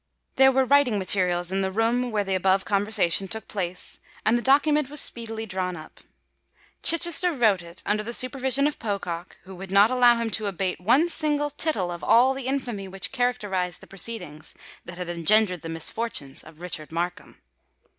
There were writing materials in the room where the above conversation took place; and the document was speedily drawn up. Chichester wrote it, under the supervision of Pocock, who would not allow him to abate one single tittle of all the infamy which characterised the proceedings that had engendered the misfortunes of Richard Markham.